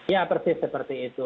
ya persis seperti itu